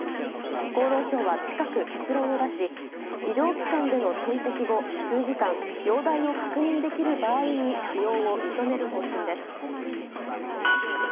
厚労省は近く結論を出し医療機関での点滴後、数時間容体を確認できる場合に使用を認める方針です。